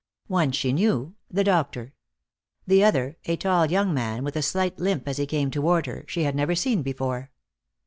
One she knew, the doctor. The other, a tall young man with a slight limp as he came toward her, she had never seen before.